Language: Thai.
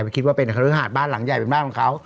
คิดว่าเป็นคฤหาสบ้านหลังใหญ่เป็นบ้านของเขา